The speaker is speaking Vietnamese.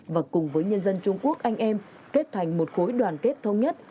và cùng với nhân dân trung quốc anh em kết thành một khối đoàn kết thống nhất